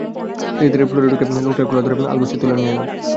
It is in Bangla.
খুব ধীরে ফ্লোরে ঢুকে লোকটার কলার ধরে আলগোসে তুলে নিয়ে এলাম।